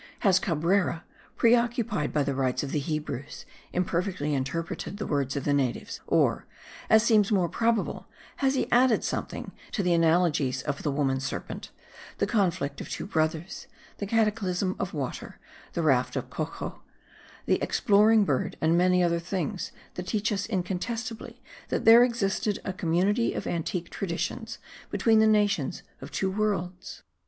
Has Cabrera, preoccupied by the rites of the Hebrews, imperfectly interpreted the words of the natives, or, as seems more probable, has he added something to the analogies of the woman serpent, the conflict of two brothers, the cataclysm of water, the raft of Coxcox, the exploring bird, and many other things that teach us incontestably that there existed a community of antique traditions between the nations of the two worlds?